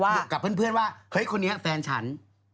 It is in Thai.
กับเพื่อนว่าเฮ้ยคนนี้แฟนฉัน